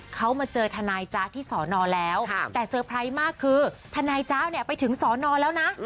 เขามาเจอทนายจ๊ะที่สอนอแล้วแต่เตอร์ไพรส์มากคือทนายจ๊ะเนี่ยไปถึงสอนอแล้วนะ